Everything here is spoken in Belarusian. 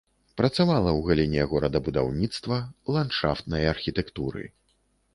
Працавала ў галіне горадабудаўніцтва, ландшафтнай архітэктуры.